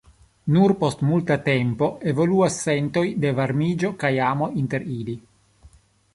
Nur post multa tempo evoluas sentoj de varmiĝo kaj amo inter ili.